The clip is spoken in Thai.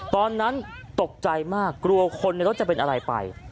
ตอนนั้นตกใจมากกลัวคนในรถจะเป็นอะไรไป